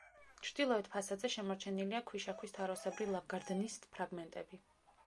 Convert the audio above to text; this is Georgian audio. ჩრდილოეთ ფასადზე შემორჩენილია ქვიშაქვის თაროსებრი ლავგარდნის ფრაგმენტები.